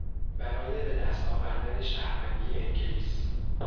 برای به دست آوردن شهروندی انگلیس